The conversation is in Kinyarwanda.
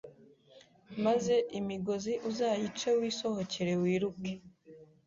maze imigozi uzayice wisohokere wiruke